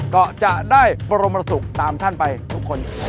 ก็จะได้บรมศุกร์๓ท่านไปทุกคน